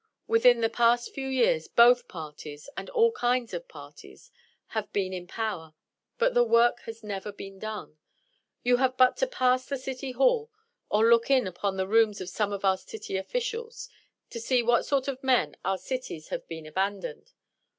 Within the past few years both parties, and all kinds of parties, have been in power; but the work has never been done. You have but to pass the City Hall, or look in upon the rooms of some of our city officials, to see to what sort of men our cities have been abandoned.